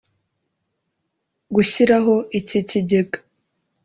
Gushyiraho iki kigega